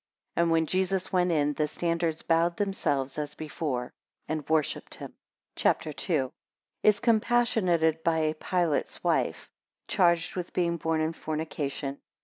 32 And when Jesus went in, the standards bowed themselves as before, and worshipped him. CHAPTER II. 2 Is compassionated by Pilate's wife, 7 charged with being born in fornication.